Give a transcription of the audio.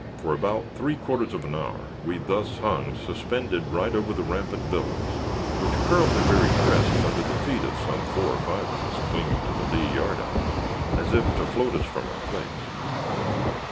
For about three quarters of an hour we thus hung suspended right over the rampant billows, which curled their very crests under the feet of some four or five of us clinging to the lee yard arm, as if to float us from our place.